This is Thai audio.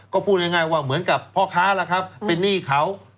ก็พูดง่ายว่าเหมือนกับพ่อค้าล่ะครับเป็นหนี้เขา